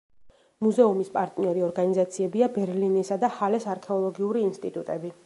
მუზეუმის პარტნიორი ორგანიზაციებია ბერლინისა და ჰალეს არქეოლოგიური ინსტიტუტები.